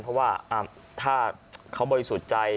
เพราะว่าถ้าเขาบริสุทธิ์ใจ